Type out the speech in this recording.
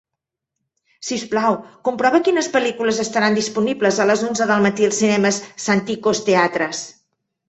Si us plau, comprova quines pel·lícules estaran disponibles a les onze del matí als cinemes Santikos Theatres?